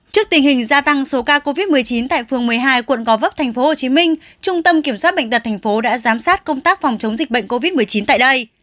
trước tình hình gia tăng số ca covid một mươi chín tại phường một mươi hai quận gò vấp tp hcm trung tâm kiểm soát bệnh tật tp đã giám sát công tác phòng chống dịch bệnh covid một mươi chín tại đây